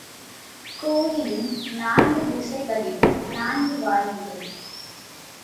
கோயிலின் நான்கு திசைகளிலும் நான்கு வாயில்கள்.